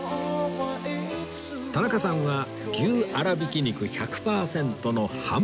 田中さんは牛粗びき肉１００パーセントのハンバーグ